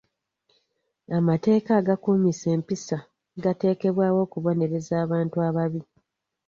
Amateeka agakuumisa empisa gatekebwawo okubonereza abantu ababi.